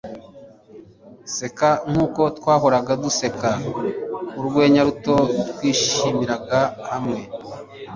seka nkuko twahoraga duseka urwenya ruto twishimiraga hamwe